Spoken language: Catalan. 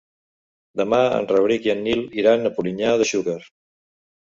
Demà en Rauric i en Nil iran a Polinyà de Xúquer.